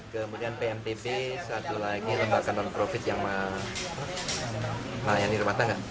kemudian pntb satu lagi lembaga non profit yang melayani rumah tangga